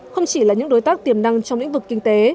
không chỉ là những đối tác tiềm năng trong lĩnh vực kinh tế